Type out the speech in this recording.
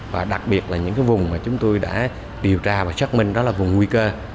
và đặc biệt là những cái vùng mà chúng tôi đã điều tra và xác minh đó là vùng nguy cơ